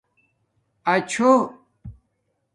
اچھُو